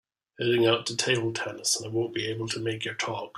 Heading out to table tennis and I won’t be able to make your talk.